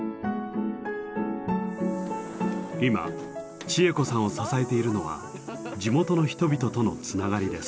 今千恵子さんを支えているのは地元の人々とのつながりです。